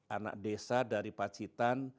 anak desa dari pacitan